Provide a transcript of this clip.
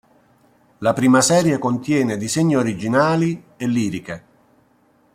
La prima serie contiene disegni originali e liriche.